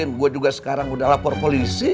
tapi adik abang gatun ya